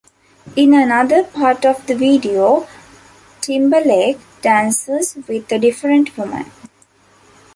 In another part of the video, Timberlake dances with a different woman.